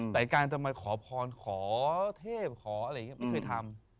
แต่การจะมาขอพรขอเทพขออะไรอย่างนี้ไม่เคยทำ